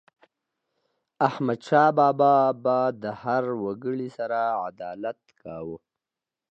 احمدشاه بابا به د هر وګړي سره عدالت کاوه.